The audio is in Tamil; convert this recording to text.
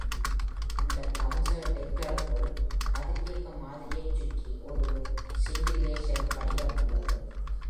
இந்த கவச டிடெக்டருக்குள், கதிரியக்க மாதிரியைச் சுற்றி ஒரு சிண்டில்லேஷன் படிகம் உள்ளது.